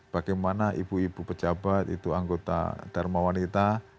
bagaimana ibu ibu pejabat itu anggota dharma wanita